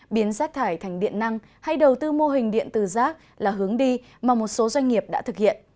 biến rác thải thành điện năng hay đầu tư mô hình điện tử rác là hướng đi mà một số doanh nghiệp đã tạo ra